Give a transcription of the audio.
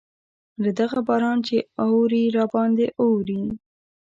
لکه دغه باران چې اوري راباندې اوري.